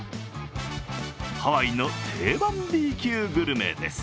ハワイの定番、Ｂ級グルメです。